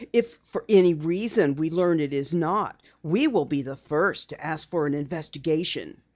If for any reason we learn it is not, we will be the first to ask for an investigation."